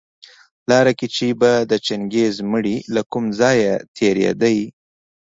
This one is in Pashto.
لاره کي چي به د چنګېز مړى له کوم ځايه تېرېدى